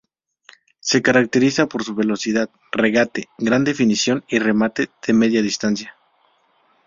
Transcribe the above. Se caracteriza por su velocidad, regate, gran definición y remate de media distancia.